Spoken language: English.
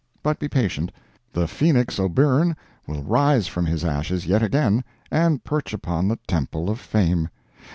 But be patient. The Phenix O'Byrne will rise from his ashes yet again, and perch upon the Temple of Fame!